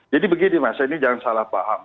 jadi begini mas ini jangan salah paham